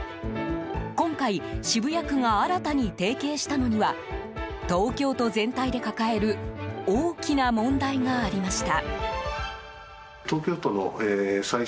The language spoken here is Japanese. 今回渋谷区が新たに提携したのには東京都全体で抱える大きな問題がありました。